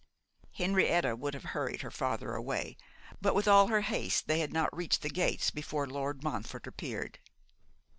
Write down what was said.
Henrietta would have hurried her father away, but with all her haste they had not reached the gates before Lord Montfort appeared.